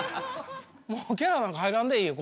もうキャラなんか入らんでええよ。